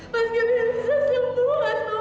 mas kevin bisa sembuh asma